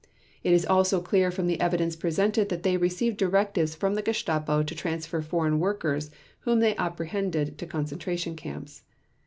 It is also clear from the evidence presented that they received directives from the Gestapo to transfer foreign workers whom they apprehended to concentration camps.